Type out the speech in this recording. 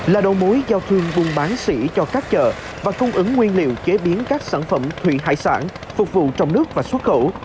là đầu mối giao thương buôn bán xỉ cho các chợ và cung ứng nguyên liệu chế biến các sản phẩm thủy hải sản phục vụ trong nước và xuất khẩu